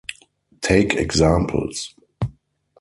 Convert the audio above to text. Take examples.